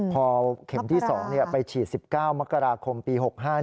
พอเข็มที่๒ไปฉีด๑๙มกราคมปี๖๕